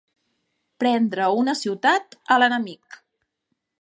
Prendre una ciutat a l'enemic.